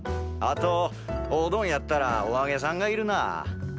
あとおうどんやったらおあげさんがいるなあ。